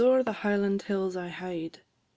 AS O'ER THE HIGHLAND HILLS I HIED.